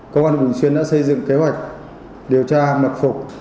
công an bình xuyên đã xây dựng kế hoạch điều tra mật phục